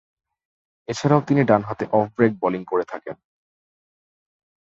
এছাড়াও তিনি ডানহাতে অফ ব্রেক বোলিং করে থাকেন।